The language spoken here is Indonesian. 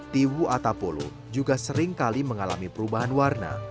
tiwu ato polo juga seringkali mengalami perubahan warna